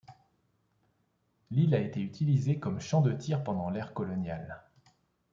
L'île a été utilisée comme champ de tir pendant l'ère coloniale.